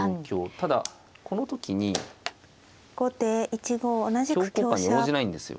ただこの時に香交換に応じないんですよ。